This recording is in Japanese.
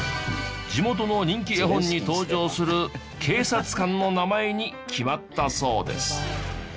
地元の人気絵本に登場する警察官の名前に決まったそうです。